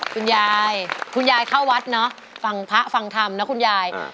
คุณยายคุณยายเข้าวัดเนอะฟังพระฟังธรรมนะคุณยาย